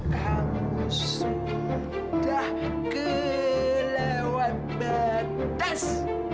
kamu sudah kelewat batas